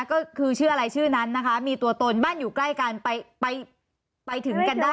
ก็คือชื่ออะไรชื่อนั้นนะคะมีตัวตนบ้านอยู่ใกล้กันไปไปถึงกันได้